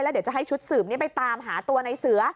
แล้วเดี๋ยวจะให้ชุดสื่มนี่ไปตามหาตัวนายเสือ